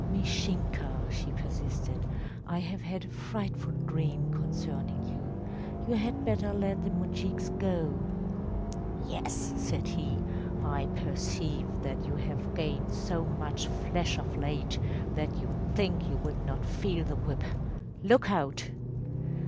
‚ÄĚ ‚ÄúMishinka,‚ÄĚ she persisted, “I have had a frightful dream concerning you. You had better let the moujiks go.‚ÄĚ ‚ÄúYes,‚ÄĚ said he; “I perceive that you have gained so much flesh of late that you think you would not feel the whip. Lookout!